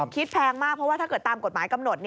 แพงมากเพราะว่าถ้าเกิดตามกฎหมายกำหนด